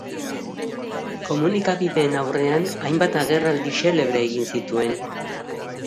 Komunikabideen aurrean hainbat agerraldi xelebre egin zituen.